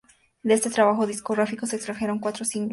De este trabajo discográfico se extrajeron cuatro singles.